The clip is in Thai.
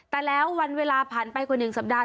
แต่แล้ววันเวลาผ่านไปกว่า๑สัปดาห